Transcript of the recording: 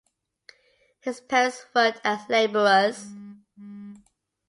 His parents worked as labourers.